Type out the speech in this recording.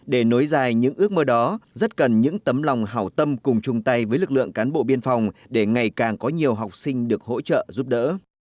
để nối dài những ước mơ đó rất cần những tấm lòng hảo tâm cùng chung tay với lực lượng cán bộ biên phòng để ngày càng có nhiều học sinh được hỗ trợ giúp đỡ